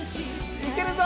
いけるぞ。